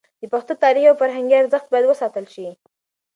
د پښتو تاریخي او فرهنګي ارزښت باید وساتل شي.